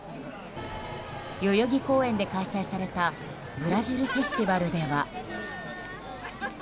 代々木公園で開催されたブラジルフェスティバルでは。